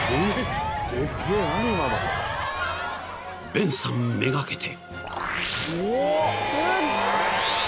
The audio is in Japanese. ［ベンさん目がけて］